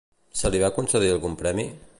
Se li va concedir algun premi?